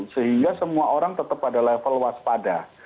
sehingga semua orang tetap pada level waspada